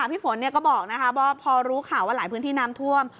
พี่ฝนก็บอกว่าพอรู้ข่าวว่าหลายพื้นที่น้ำท่วม